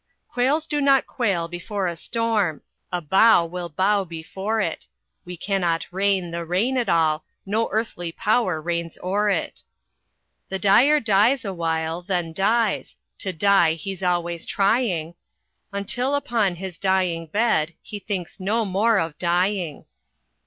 "Quails do not quail before a storm. A bow will bow before it; We cannot rein the rain at all, No earthly power reigns o'er it. "The dyer dyes awhile, then dies To dye he's always trying; Until upon his dying bed He thinks no more of dyeing.